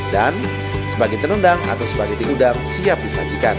dan sebagai tenendang atau spaghetti udang siap disajikan